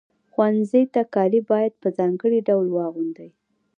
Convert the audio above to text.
ښوونځي ته کالي باید په ځانګړي ډول واغوندئ.